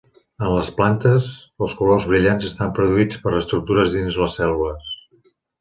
En les plantes, els colors brillants estan produïts per estructures dins les cèl·lules.